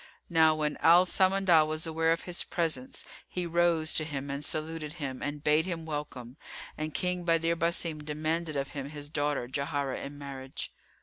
Now when Al Samandal was aware of his presence, he rose to him and saluted him and bade him welcome; and King Badr Basim demanded of him his daughter Jauharah in marriage.